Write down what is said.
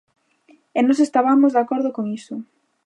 E nós estabamos de acordo con iso.